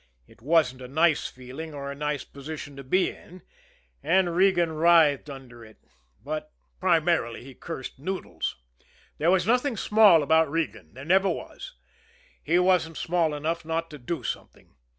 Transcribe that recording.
It wasn't a nice feeling or a nice position to be in, and Regan writhed under it but primarily he cursed Noodles. There was nothing small about Regan there never was. He wasn't small enough not to do something.